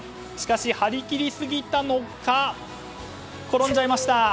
しかし、張り切りすぎたのか転んじゃいました。